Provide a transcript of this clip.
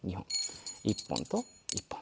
１本と１本。